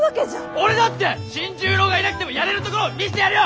俺だって新十郎がいなくてもやれるところを見してやるよ！